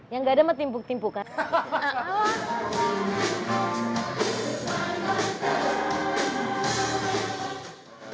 yang gak ada mah timbuk timpukan